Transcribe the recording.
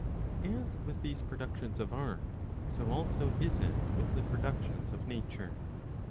As with these productions of art, so also is it with the productions of nature.